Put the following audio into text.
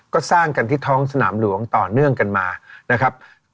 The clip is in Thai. ก็สร้างกันที่ท้องสนามหลวงต่อเนื่องกันมานะครับ